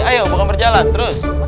ayo bukan berjalan terus